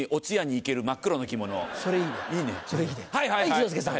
一之輔さん。